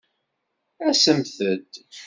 Asemt-d!